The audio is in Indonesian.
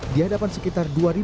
di hadapan sekitar dua pesawat